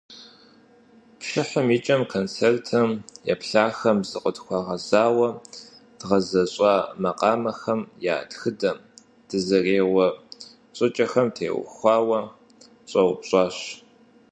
Пшыхьым и кӀэм концертым еплъахэм зыкъытхуагъазэурэ дгъэзэщӀа макъамэхэм я тхыдэм, дызэреуэ щӀыкӀэхэм теухуауэ щӀэупщӀащ.